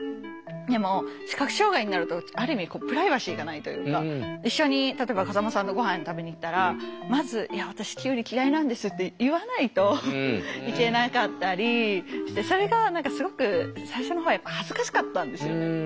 でも視覚障害になるとある意味プライバシーがないというか一緒に例えば風間さんとごはん食べに行ったらまず「いや私きゅうり嫌いなんです」って言わないといけなかったりしてそれが何かすごく最初のほうはやっぱ恥ずかしかったんですよね。